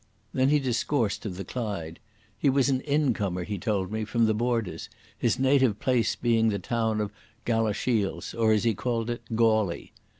Then he discoursed of the Clyde. He was an incomer, he told me, from the Borders, his native place being the town of Galashiels, or, as he called it, "Gawly".